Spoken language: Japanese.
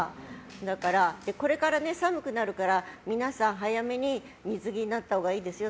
だから、これから寒くなるから皆さん早めに水着になったほうがいいですよ。